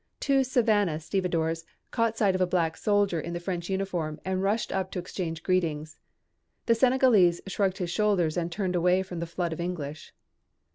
Two Savannah stevedores caught sight of a black soldier in the French uniform and rushed up to exchange greetings. The Senegalese shrugged his shoulders and turned away from the flood of English.